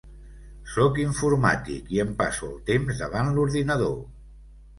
Soc informàtic i em passo el temps davant l'ordinador.